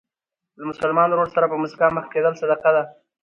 له مسلمان ورور سره په مسکا مخ کېدل صدقه ده.